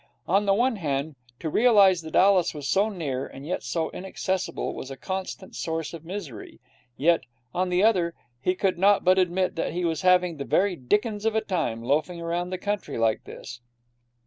On the one hand, to realize that Alice was so near and yet so inaccessible was a constant source of misery; yet, on the other, he could not but admit that he was having the very dickens of a time, loafing round the country like this.